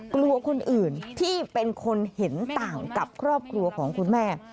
กลัวคนอื่นที่เป็นคนเห็นต่างกับครอบครัวของคุณแม่